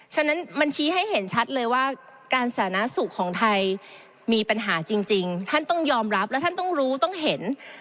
ฉะนั้นมันชี้ให้เห็นชัดเลยว่าการสาธารณสุขของไทยมีปัญหาจริงท่านต้องยอมรับและท่านต้องรู้ต้องเห็น